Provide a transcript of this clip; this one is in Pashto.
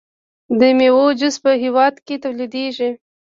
د میوو جوس په هیواد کې تولیدیږي.